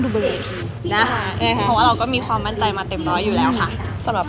เพราะว่าเราก็มีความมั่นใจมาเต็มร้อยอยู่แล้วค่ะสำหรับ